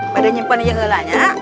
pada nyimpen aja kebelakanya